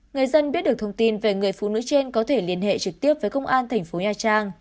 người dân biết được thông tin về người phụ nữ trên có thể liên hệ trực tiếp với công an thành phố nha trang